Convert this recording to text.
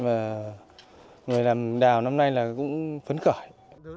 và người làm đào năm nay là cũng phấn khởi